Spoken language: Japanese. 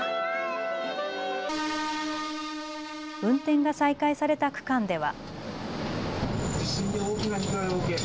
運転が再開された区間では。